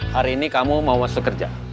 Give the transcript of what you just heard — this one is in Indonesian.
hari ini kamu mau masuk kerja